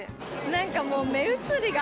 何かもう目移りが。